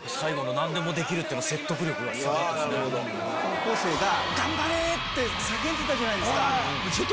高校生が頑張れ！って叫んでたじゃないですか。